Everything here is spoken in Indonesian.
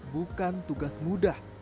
bukan tugas mudah